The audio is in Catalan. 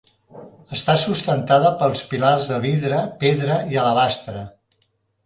Està sustentada per pilars de vidre, pedra i alabastre.